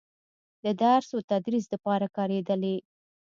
د درس و تدريس دپاره کارېدلې